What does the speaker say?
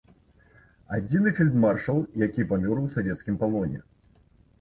Адзіны фельдмаршал, які памёр у савецкім палоне.